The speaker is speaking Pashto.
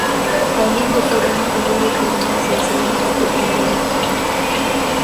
قانون د کورنۍ د غړو تر منځ سلسله مراتب ټینګوي.